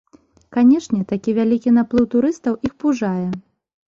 Канешне, такі вялікі наплыў турыстаў іх пужае.